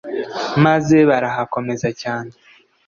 maze barahakomeza cyane